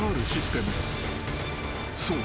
［そう。